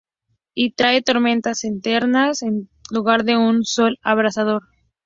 Y trae tormentas eternas en lugar de un sol abrasador.